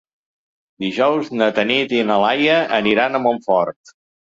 Dijous na Tanit i na Laia aniran a Montfort.